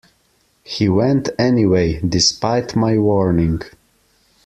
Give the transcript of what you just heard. He went anyway, despite my warning.